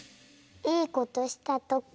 いいことしたとき。